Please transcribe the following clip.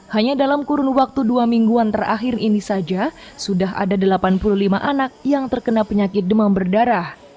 hanya dalam kurun waktu dua mingguan terakhir ini saja sudah ada delapan puluh lima anak yang terkena penyakit demam berdarah